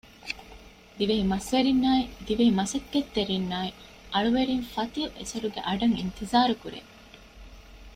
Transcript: ދިވެހި މަސްވެރިންނާއި ދިވެހި މަސައްކަތްތެރިންނާއި އަޅުވެރިން ފަތިހު އެސޮރުގެ އަޑަށް އިންތިޒާރު ކުރޭ